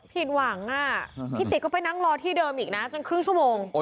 ผิดหวังพี่ติก็ไปนั่งรอที่เดิมอีกนะจนครึ่งชั่วโมง